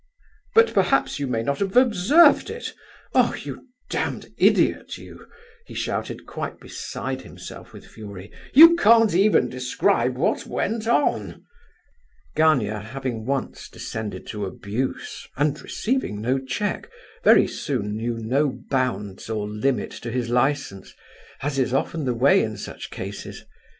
"But perhaps you may not have observed it, oh, you damned idiot, you!" he shouted, quite beside himself with fury. "You can't even describe what went on." Gania having once descended to abuse, and receiving no check, very soon knew no bounds or limit to his licence, as is often the way in such cases.